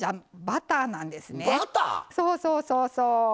バター⁉そうそうそうそう。